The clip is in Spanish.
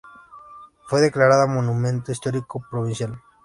Fue declarada Monumento Histórico Provincial.